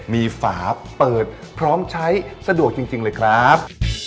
มีฝาเปิดพร้อมใช้สะดวกจริงเลยครับ